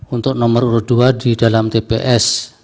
untuk nomor urut dua di dalam tps